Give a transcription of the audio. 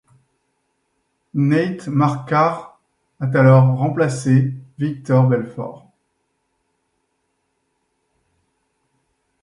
Nate Marquardt a alors remplacé Vitor Belfort.